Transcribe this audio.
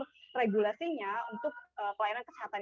kompetensinya untuk pelayanan kesehatan